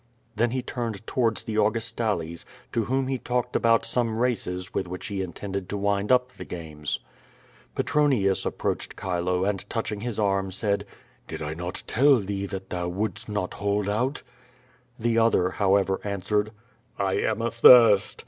Then he turned towards the Augustales, to »vhom he talked about some races with which he intended to wind up the games. Petronius approached Chile, and touching his arm, said: "Did I not tell thee that thou wouldst not hold out?" The other, however, answered: "I am athirst."